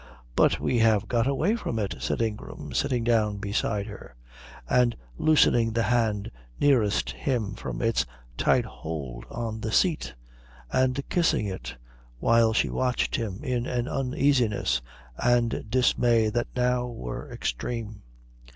"But we have got away from it," said Ingram, sitting down beside her and loosening the hand nearest him from its tight hold on the seat and kissing it, while she watched him in an uneasiness and dismay that now were extreme.